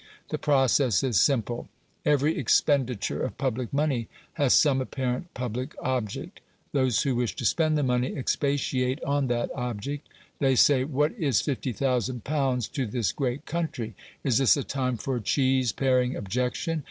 The process is simple. Every expenditure of public money has some apparent public object; those who wish to spend the money expatiate on that object; they say, "What is 50,000 pounds to this great country? Is this a time for cheese paring objection?